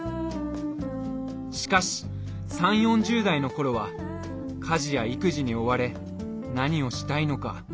しかし３０４０代の頃は家事や育児に追われ何をしたいのか？